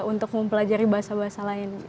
untuk mempelajari bahasa bahasa lain